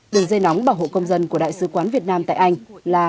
đường dây nóng bảo hộ công dân của đại sứ quán việt nam tại anh là